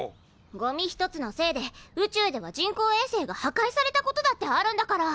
ゴミ一つのせいで宇宙では人工衛星がはかいされたことだってあるんだから。